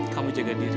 kamu jaga diri